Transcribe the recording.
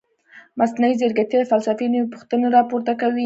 مصنوعي ځیرکتیا د فلسفې نوې پوښتنې راپورته کوي.